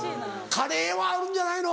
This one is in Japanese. カレーはあるんじゃないの？